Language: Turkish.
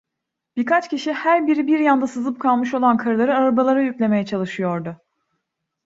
Birkaç kişi, her biri bir yanda sızıp kalmış olan karıları arabalara yüklemeye çalışıyordu.